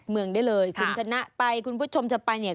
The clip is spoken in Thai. คุณชนะไปคุณผู้ชมจะไปเนี่ย